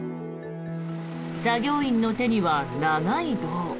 作業員の手には長い棒。